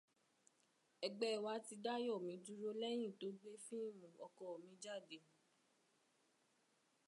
Ẹgbẹ́ wa ti dá Yọ̀mí dúró lẹ́yìn tó gbé fíímù Ọkọ mi jáde.